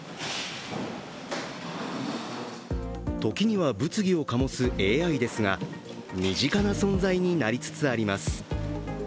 時には物議を醸すＡＩですが、身近な存在になりつつあります。